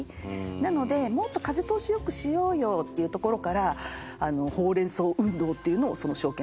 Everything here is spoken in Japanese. なので「もっと風通しを良くしようよ」っていうところからほうれんそう運動っていうのをその証券会社で始めた。